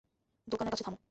দোকানের কাছে থামো।